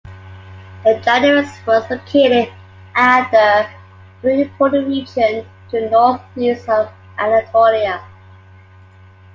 The Jandarids was located at a very important region in the northeast of Anatolia.